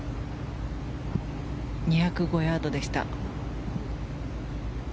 ２０５ヤードでした。